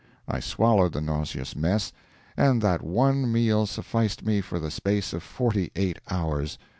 I swallowed the nauseous mess, and that one meal sufficed me for the space of forty eight hours.